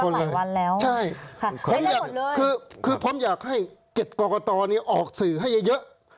ค่ะได้ได้หมดเลยคือผมอยากให้๗กรกฎออกสื่อให้เยอะ